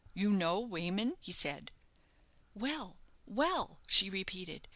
"You know Wayman?" he said. "Well, well," she repeated.